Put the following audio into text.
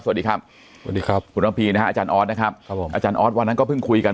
สวัสดีครับสวัสดีครับคุณระพีนะฮะอาจารย์ออสนะครับครับผมอาจารย์ออสวันนั้นก็เพิ่งคุยกัน